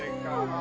あ